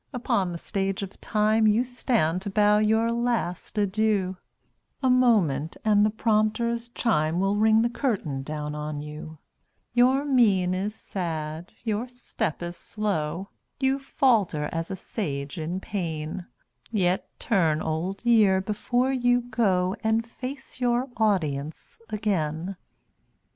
upon the Stage of Time You stand to bow your last adieu; A moment, and the prompter's chime Will ring the curtain down on you. Your mien is sad, your step is slow; You falter as a Sage in pain; Yet turn, Old Year, before you go, And face your audience again.